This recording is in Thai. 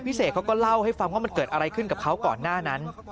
เสกเขาก็เล่าให้ฟังว่ามันเกิดอะไรขึ้นกับเขาก่อนหน้านั้น